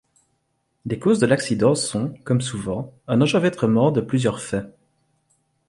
Les causes de l'accident sont, comme souvent, un enchevêtrement de plusieurs faits.